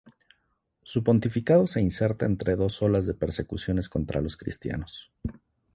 Su pontificado se inserta entre dos olas de persecuciones contra los cristianos.